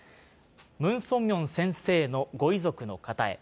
ムン・ソンミョン先生のご遺族の方へ。